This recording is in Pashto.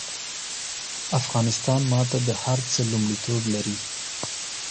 افغانستان ماته د هر څه لومړيتوب لري